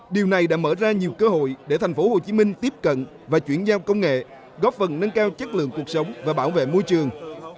điều này đã mở ra nhiều cơ hội để tp hcm tiếp cận và chuyển giao công nghệ góp phần nâng cao chất lượng cuộc sống và bảo vệ môi trường